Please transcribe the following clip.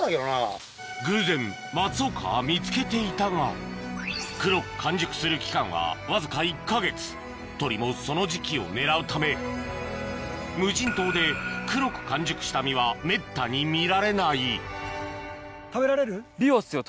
偶然松岡は見つけていたが黒く完熟する期間はわずか１か月鳥もその時期を狙うため無人島で黒く完熟した実はめったに見られないビワですよ